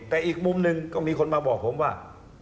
แต่อีกมุมหนึ่งก็มีคนมาบอกผมว่า